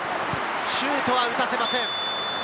シュートは打たせません。